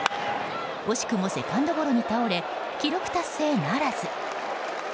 惜しくもセカンドゴロに倒れ記録達成ならず。